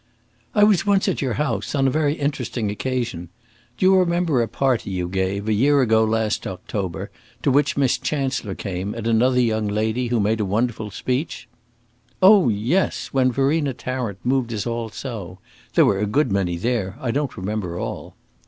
"I was once at your house on a very interesting occasion. Do you remember a party you gave, a year ago last October, to which Miss Chancellor came, and another young lady, who made a wonderful speech?" "Oh yes! when Verena Tarrant moved us all so! There were a good many there; I don't remember all."